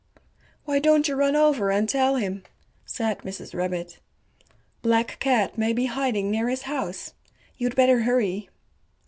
"Why don't you run over and tell him," said Mrs. Rabbit. "Black Cat may be hiding near his house. You'd better hurry."